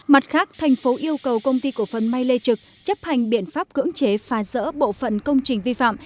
mặt khác thành phố yêu cầu công ty cổ phần may lê trực chấp hành biện pháp cưỡng chế phá rỡ bộ phận công trình vi phạm